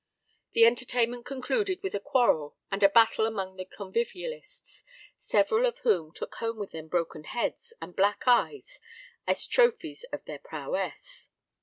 The entertainment concluded with a quarrel and battle amongst the convivialists, several of whom took home with them broken heads and black eyes as trophies of their prowess.